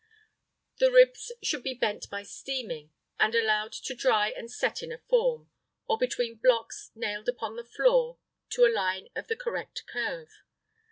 The ribs should be bent by steaming, and allowed to dry and set in a form, or between blocks nailed upon the floor to the line of the correct curve.